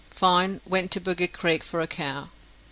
Fine. Wint to boggie creak for a cow.